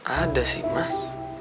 ada sih mak